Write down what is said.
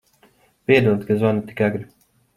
Piedod, ka zvanu tik agri.